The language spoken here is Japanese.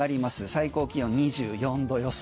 最高気温２４度予想。